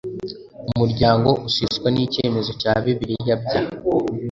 umuryango useswa n icyemezo cya bibiri bya